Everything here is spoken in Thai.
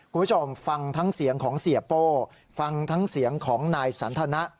คุณผู้ชมฟังทั้งเสียงของเสียโป้ฟังทั้งเสียงของนายสันทนะ